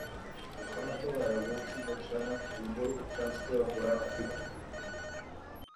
Po Sametové revoluci byl členem výboru Občanského fóra Architektů.